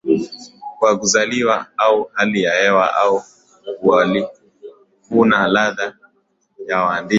Kwa kuzaliwa au hali ya hewa au uhalifuna ladha ya waandishi